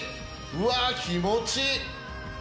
うわあ気持ちいい！